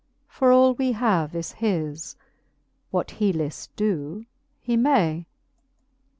For all we have is his : what he lift doe, he may.